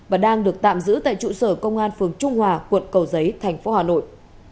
và đang được tạm giữ tại trụ sở công an phường trung hòa quận cầu giấy thành phố hà nội